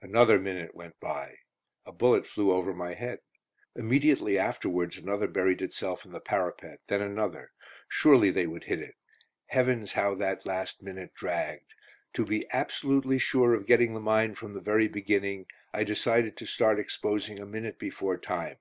Another minute went by. A bullet flew over my head. Immediately afterwards another buried itself in the parapet, then another. Surely they would hit it! Heavens how that last minute dragged! To be absolutely sure of getting the mine from the very beginning, I decided to start exposing a minute before time.